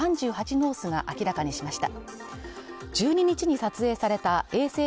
ノースが明らかにしました。